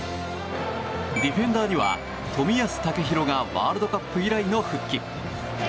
ディフェンダーには、冨安健洋がワールドカップ以来の復帰。